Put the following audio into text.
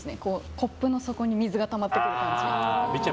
コップの底に水がたまっていく感じ。